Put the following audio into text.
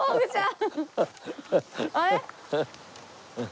あれ？